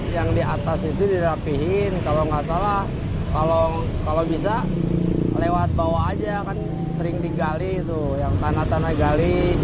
yang di atas itu dirapihin kalau nggak salah kalau bisa lewat bawah aja kan sering digali itu yang tanah tanah gali